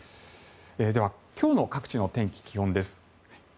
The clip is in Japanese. では、今日の各地の天気、気温です。